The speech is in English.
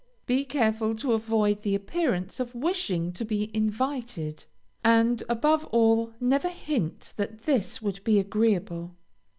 Be careful to avoid the appearance of wishing to be invited, and, above all, never hint that this would be agreeable.